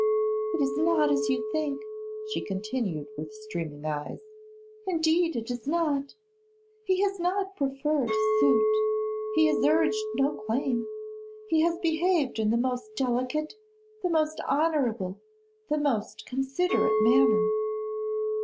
'It is not as you think,' she continued, with streaming eyes: 'indeed it is not. He has not preferred his suit, he has urged no claim. He has behaved in the most delicate, the most honourable, the most considerate manner.